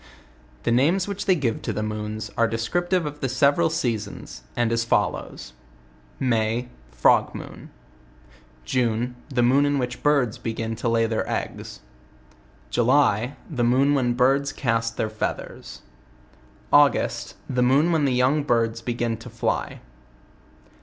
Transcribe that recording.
The names which they give to the moons, are descriptire of the several seasons, and as follows: May . Frog Moon. ,/ The moon in which birds \ begin to lay their eggs. ,) The moon when birds cast } their feathers. The moon when the young birds begin to fly.